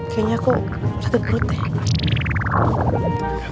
kayaknya aku sakit perut ya